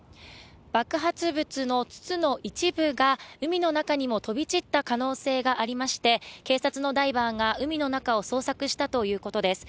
爆発物の筒の一部が海の中にも飛び散った可能性がありまして警察のダイバーが海の中を捜索したということです。